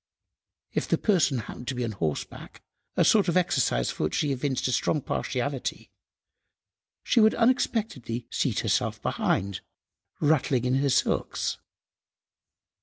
If the person happened to be on horseback, a sort of exercise for which she evinced a strong partiality, she would unexpectedly seat herself behind, "rattling in her silks."